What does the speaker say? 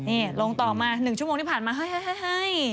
นี่ลงต่อมา๑ชั่วโมงที่ผ่านมาเฮ้ย